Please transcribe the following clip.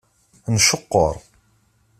Nceqqer.